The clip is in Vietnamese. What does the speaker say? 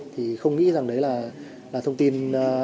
thì không nghĩ rằng đấy là thông tin